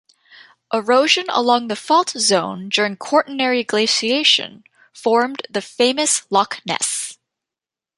Erosion along the fault zone during Quaternary glaciation formed the famous Loch Ness.